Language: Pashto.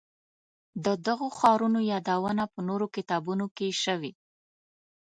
د دغو ښارونو یادونه په نورو کتابونو کې شوې.